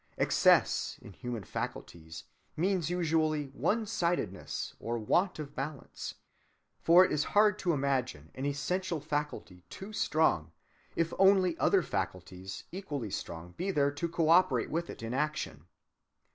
Excess, in human faculties, means usually one‐sidedness or want of balance; for it is hard to imagine an essential faculty too strong, if only other faculties equally strong be there to coöperate with it in action.